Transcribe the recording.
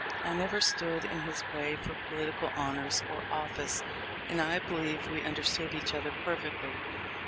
I never stood in his way for political honors or office, and I believe we understood each other perfectly.